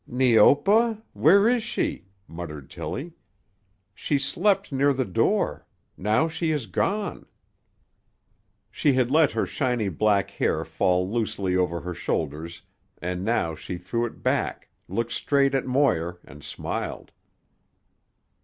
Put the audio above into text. "Neopa? Where is she?" muttered Tillie. "She slept near the door. Now she is gone." She had let her shiny black hair fall loosely over her shoulders and now she threw it back, looked straight at Moir and smiled.